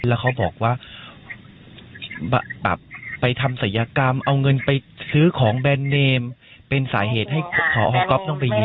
แล้วเขาบอกว่าแบบไปทำศัยกรรมเอาเงินไปซื้อของแบรนด์เนมเป็นสาเหตุให้พอก๊อฟต้องไปยืม